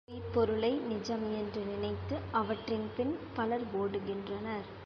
பொய்ப்பொருளை நிஜம் என்று நினைத்து அவற்றின்பின் பலர் ஓடுகின்றனர்.